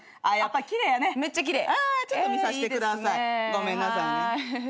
ごめんなさいね。